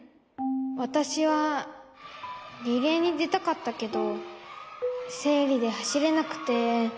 わたしはリレーにでたかったけどせいりではしれなくて。